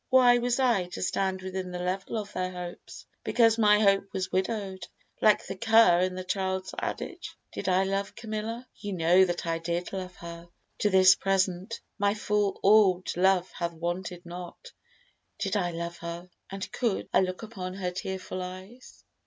Why was I To stand within the level of their hopes, Because my hope was widow'd, like the cur In the child's adage? Did I love Camilla? Ye know that I did love her: to this present My full orb'd love hath waned not. Did I love her, And could I look upon her tearful eyes?